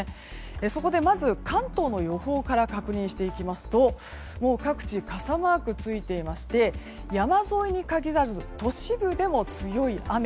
そこでまず、関東の予報から確認していきますと各地、傘マークがついていまして山沿いに限らず都市部でも強い雨。